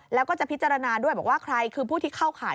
แล้วก็จะพิจารณาด้วยบอกว่าใครคือผู้ที่เข้าข่าย